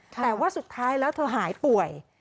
แต่ว่าสุดท้ายแล้วเธอหายป่วย